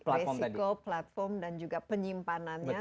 resiko platform dan juga penyimpanannya